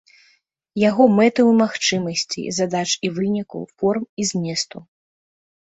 Яго мэтаў і магчымасцей, задач і вынікаў, форм і зместу.